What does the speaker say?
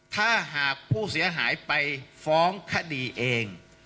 ถ้าหากผู้เสียหายไปฟ้องคดีเอง